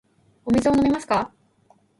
お水を飲みますか。